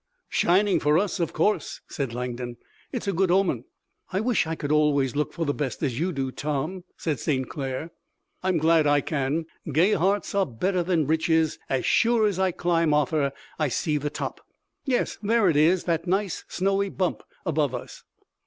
"Shining for us, of course," said Langdon. "It's a good omen." "I wish I could always look for the best as you do, Tom," said St. Clair. "I'm glad I can. Gay hearts are better than riches. As sure as I climb, Arthur, I see the top." "Yes, there it is, the nice snowy bump above us."